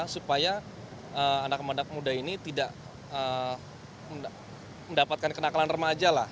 supaya anak anak muda ini tidak mendapatkan kenakalan remaja lah